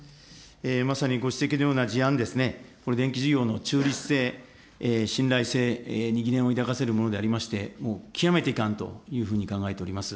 まさにご指摘のような事案ですね、これ、電気事業の中立性、信頼性に疑念を抱かせるものでありまして、極めて遺憾というふうに考えております。